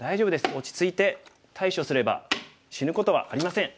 落ち着いて対処すれば死ぬことはありません。